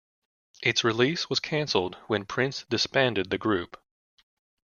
Its release was canceled when Prince disbanded the group.